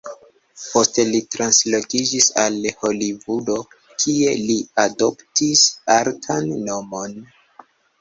Poste li translokiĝis al Holivudo, kie li adoptis artan nomon.